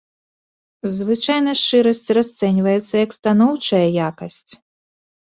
Звычайна шчырасць расцэньваецца як станоўчая якасць.